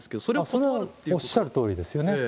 それはおっしゃるとおりですよね。